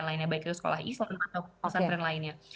pada hal itu sekolah islam atau penguasa peren lainnya